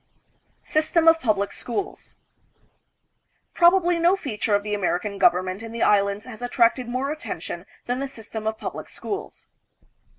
System, of Publio Schools. Probably no feature of tfie American government in the Islands has attracted more attention than the system of public schools.